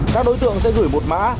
các đối tượng sẽ gửi một mã